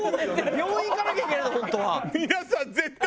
病院行かなきゃいけないの本当は。